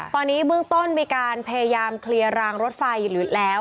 ตอนนี้เบื้องต้นมีการพยายามเคลียร์รางรถไฟแล้ว